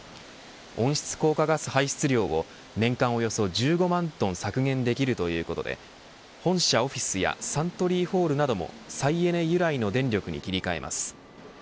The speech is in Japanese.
温室効果ガス排出量を年間およそ１５万トン削減できるということで本社オフィスやサントリーホールなども再エネ由来の電力に切り替えます。